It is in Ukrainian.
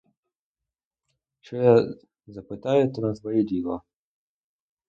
Що я запитаю, то не твоє діло.